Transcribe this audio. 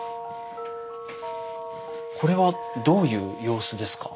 これはどういう様子ですか？